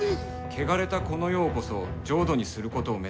「汚れたこの世をこそ浄土にすることを目指せ」。